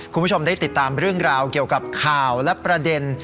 คุณผู้ชมได้ติดตามเรื่องราวเกี่ยวกับข่าวและประเด็น